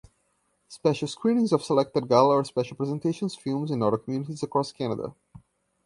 Special screenings of selected Gala or Special Presentations films in other communities across Canada.